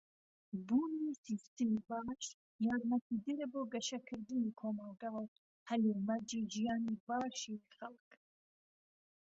بوونی سیستەمی باش یارمەتیدەرە بۆ گەشەکردنی کۆمەلگا و هەلومەرجی ژیانی باشی خەلك.